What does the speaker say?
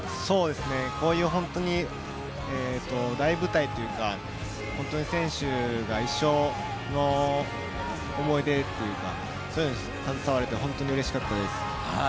こういう大舞台というか、選手が一生の思い出というか、そういうのに携われて本当にうれしかったです。